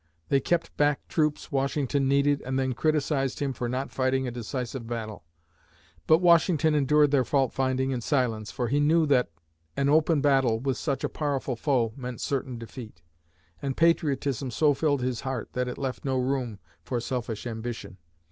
They kept back troops Washington needed and then criticized him for not fighting a decisive battle. But Washington endured their fault finding in silence, for he knew that an open battle with such a powerful foe meant certain defeat, and patriotism so filled his heart that it left no room for selfish ambition.